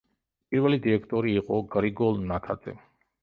პირველი დირექტორი იყო გრიგოლ ნათაძე.